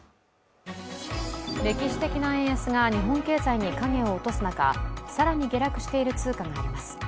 歴史的な円安が日本経済に影を落とす中、更に下落している通貨があります。